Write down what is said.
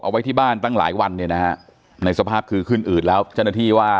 เอาไว้ที่บ้านตั้งหลายวันในสภาพคือขึ้นอืดแล้วจนทีว่า